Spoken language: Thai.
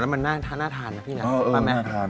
แล้วมันหน้าทานนะพี่นะน่าทาน